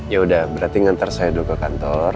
ya udah berarti ngantar saya dulu ke kantor